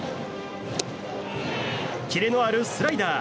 キレのあるスライダー。